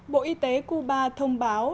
bộ y tế cuba thông báo